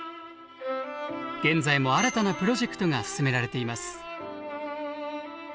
現在も新たなプロジェクトが進められています。